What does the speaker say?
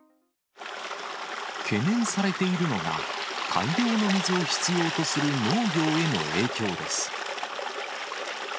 懸念されているのが、大量の水を必要とする農業への影響です。